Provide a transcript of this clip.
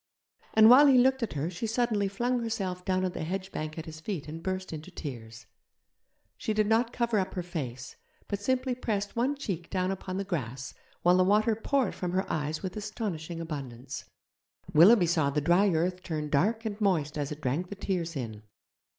And while he looked at her she suddenly flung herself down on the hedge bank at his feet and burst into tears. She did not cover up her face, but simply pressed one cheek down upon the grass while the water poured from her eyes with astonishing abundance. Willoughby saw the dry earth turn dark and moist as it drank the tears in.